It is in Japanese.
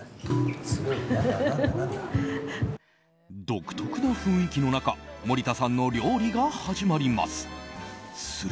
独特な雰囲気の中森田さんの料理が始まります。